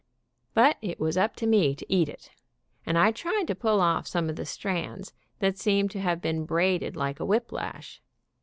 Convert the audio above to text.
But it was up to me to eat it, and I tried to pull off some of the strands that seemed to have been braided like a whip lash.